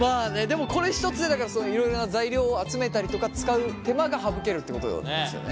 でもこれ１つでだからいろいろな材料を集めたりとか使う手間が省けるってことなんですよね？